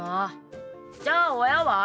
じゃあ親は？